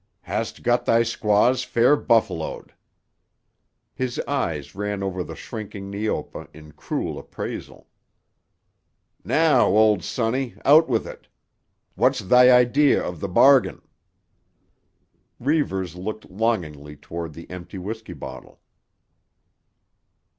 "Hast got thy squaws fair buffaloed." His eyes ran over the shrinking Neopa in cruel appraisal. "Now, old sonny, out with it. What's thy idea of tuh bargain?" Reivers looked longingly toward the empty whisky bottle.